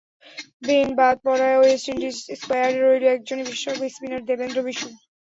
Ben বাদ পড়ায় West Indies স্কোয়াডে রইল একজনই বিশেষজ্ঞ স্পিনার—দেবেন্দ্র বিশু।